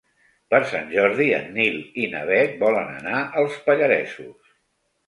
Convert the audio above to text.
Per Sant Jordi en Nil i na Bet volen anar als Pallaresos.